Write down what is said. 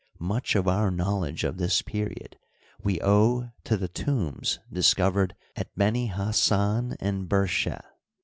Much of our knowledge of this period we owe to the tombs discovered at Benihassan and Bersheh.